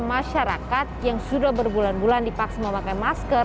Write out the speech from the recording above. masyarakat yang sudah berbulan bulan dipaksa memakai masker